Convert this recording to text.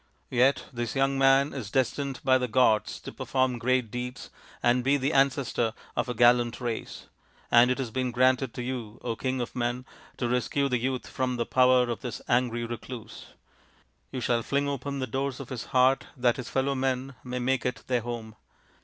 Yet this young man is destined by the gods to per form great deeds, and be the ancestor of a gallant race ; and it has been granted to you, King of men, to rescue the youth from the power of this angry 260 THE INDIAN STORY BOOK recluse. You shall fling open the doors of his heart, that his fellow men may make it their home.